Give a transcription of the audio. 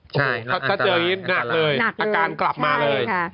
ใช่ถ้าเจอยิ้นหนักเลยอาการกลับมาเลย